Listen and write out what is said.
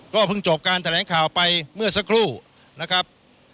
เพิ่งจบการแถลงข่าวไปเมื่อสักครู่นะครับ